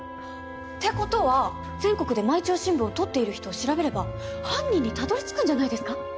って事は全国で毎朝新聞をとっている人を調べれば犯人にたどり着くんじゃないですか？